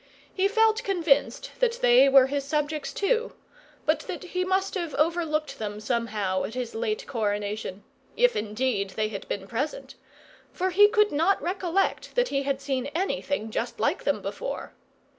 He felt convinced that they were his subjects too, but that he must have overlooked them somehow at his late coronation if indeed they had been present; for he could not recollect that he had seen anything just like them before.